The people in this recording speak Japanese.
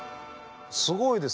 すごいですね。